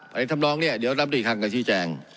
อันนี้ทำร้องนี้เดี๋ยวรับอีกครั้งกับชี่แจง